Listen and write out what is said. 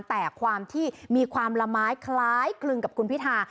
แต่ความที่มีความละไม้คล้ายคลึงกับคุณพิธา